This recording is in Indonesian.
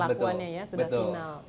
jadi perlakuannya ya sudah final